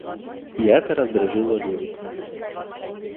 И эта раздражило Левина.